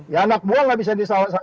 ya anak buah tidak bisa disalahkan